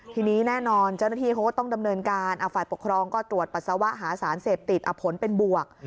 ทีนี้แน่นอนเจ้าหน้าที่เขาก็ต้องดำเนินการฝ่ายปกครองก็ตรวจปัสสาวะหาสารเสพติดผลเป็นบวก